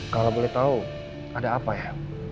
kalau boleh tahu ada apa ya